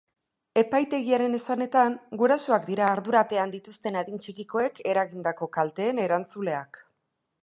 Epaitegiaren esanetan, gurasoak dira ardurapean dituzten adin txikikoek eragindako kalteen erantzuleak.